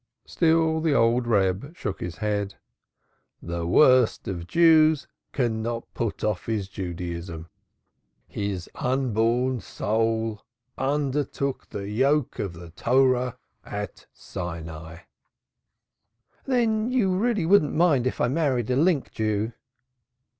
Still the old Reb shook his head. "The worst of Jews cannot put off his Judaism. His unborn soul undertook the yoke of the Torah at Sinai." "Then you really wouldn't mind if I married a link Jew!"